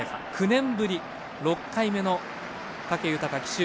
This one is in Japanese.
９年ぶり、６回目の武豊騎手